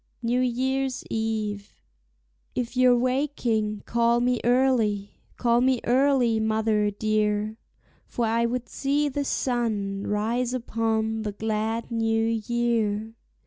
NEW YEAR'S EVE. If you're waking, call me early, call me early, mother dear, For I would see the sun rise upon the glad new year.